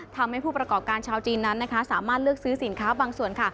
ผู้ประกอบการชาวจีนนั้นสามารถเลือกซื้อสินค้าบางส่วน